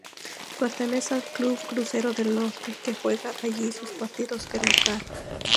Pertenece al Club Crucero del Norte, que juega allí sus partidos de local.